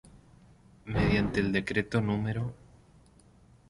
Mediante el decreto No.